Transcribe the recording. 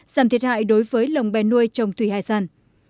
giảm thiệt hại đối với lồng bè nuôi trồng thủy hải sản